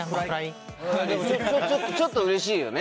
ちょっとうれしいよね。